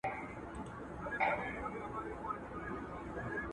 حضوري ټولګي زده کوونکي د ښوونکي سره مخامخ اړيکه لري.